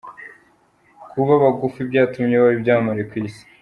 Kuba bagufi byatumye baba ibyamamare ku Isi